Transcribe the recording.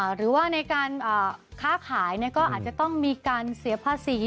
หรือว่าในการค้าขายก็อาจจะต้องมีการเสียภาษี